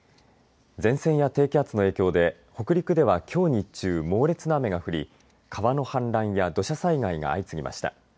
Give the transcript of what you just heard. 前線や低気圧の影響で北陸ではきょう日中、猛烈な雨が降り川の氾濫や土砂災害が相次ぎました。